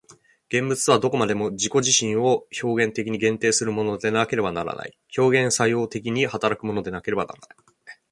個物とはどこまでも自己自身を表現的に限定するものでなければならない、表現作用的に働くものでなければならない。